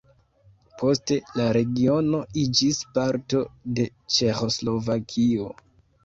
Poste la regiono iĝis parto de Ĉeĥoslovakio.